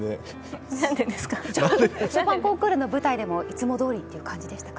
ショパンコンクールの舞台でもいつもどおりの感じでしたか？